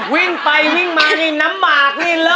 วิ่งไปวิ่งมานี่น้ำหมากนี่เลอ